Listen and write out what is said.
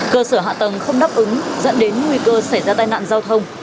cơ sở hạ tầng không đáp ứng dẫn đến nguy cơ xảy ra tai nạn giao thông